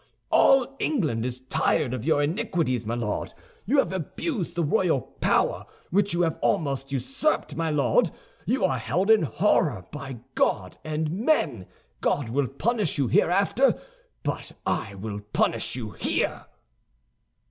All England is tired of your iniquities; my Lord, you have abused the royal power, which you have almost usurped; my Lord, you are held in horror by God and men. God will punish you hereafter, but I will punish you here!"